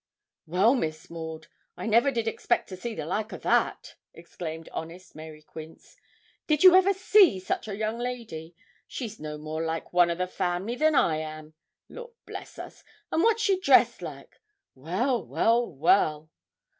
'Well, Miss Maud, I never did expect to see the like o' that!' exclaimed honest Mary Quince, 'Did you ever see such a young lady? She's no more like one o' the family than I am. Law bless us! and what's she dressed like? Well, well, well!'